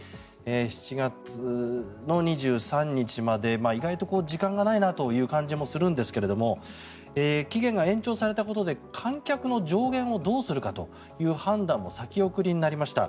７月２３日まで意外と時間がないなという感じもするんですが期限が延長されたことで観客の上限をどうするかという判断も先送りになりました。